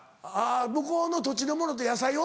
向こうの土地のものって野菜を？